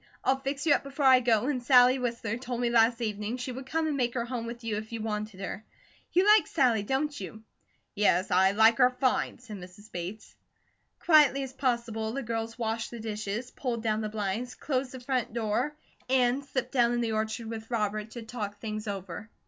"I'll fix you up before I go; and Sally Whistler told me last evening she would come and make her home with you if you wanted her. You like Sally, don't you?" "Yes, I like her fine," said Mrs. Bates. Quietly as possible the girls washed the dishes, pulled down the blinds, closed the front door, and slipped down in the orchard with Robert to talk things over.